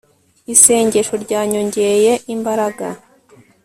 isengesho ryanyongeye imbaraga